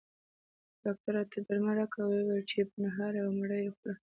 ډاکټر راته درمل راکړل او ویل یې چې په نهاره او مړه یې خوره